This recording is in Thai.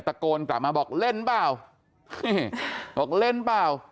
ตะโกนกลับมาบอกเล่นเปล่านี่บอกเล่นเปล่า